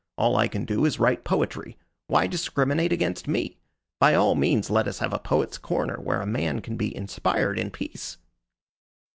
All I can do is write poetry. Why discriminate against me? By all means let us have a Poets' Corner, where a man can be inspired in peace."